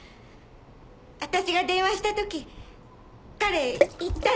私が電話した時彼言ったんです。